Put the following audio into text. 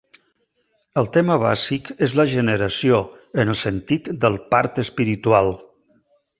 El tema bàsic és la generació, en el sentit del part espiritual.